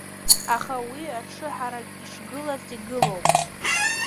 Аха уи аҽыҳарак ишгылац игылоуп.